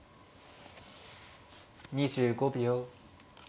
２５秒。